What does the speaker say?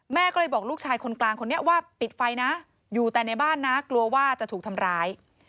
แม่ก็เลยบอกลูกชายคนกลางคนนี้ว่าปิดไฟนะอยู่แต่ในบ้านนะกลัวว่าจะถูกทำร้าย